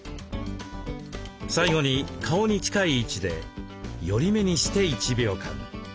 最後に顔に近い位置で寄り目にして１秒間。